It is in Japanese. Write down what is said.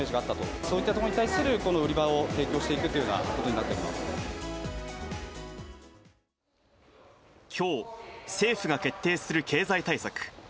そういったところに対する売り場を提供していくというようなこときょう、政府が決定する経済対策。